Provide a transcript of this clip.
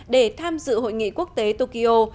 để tham dự hội nghị quốc tế tokyo